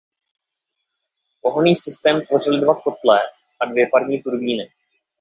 Pohonný systém tvořily dva kotle a dvě parní turbíny.